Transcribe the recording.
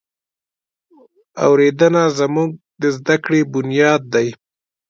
اورېدنه زموږ د زده کړې بنیاد دی.